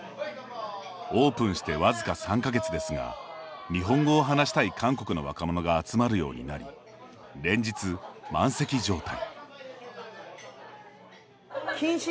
オープンしてわずか３か月ですが日本語を話したい韓国の若者が集まるようになり連日、満席状態。